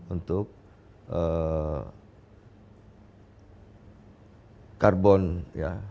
untuk karbon ya